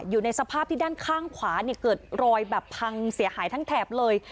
อยู่ในสภาพที่ด้านข้างขวาเนี่ยเกิดรอยแบบพังเสียหายทั้งแถบเลย